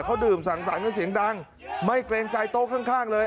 เขาดื่มสังสรรค์กันเสียงดังไม่เกรงใจโต๊ะข้างเลย